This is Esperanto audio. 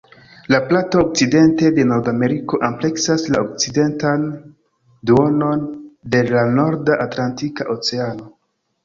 La plato okcidente de Nordameriko ampleksas la okcidentan duonon de la norda Atlantika Oceano.